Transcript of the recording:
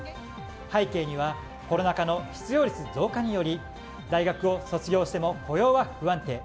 背景にはコロナ禍の失業率増加により大学を卒業しても雇用は不安定。